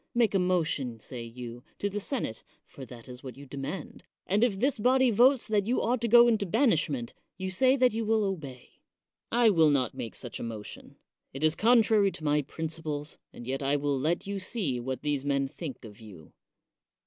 Make a motion, say you, to the senate (for that is what you demand), and if this body votes that you ought to go into banishment, you say that you will obey. I will not make such a motion — it is contrary to my principles, and yet I will let you see what these men think of you.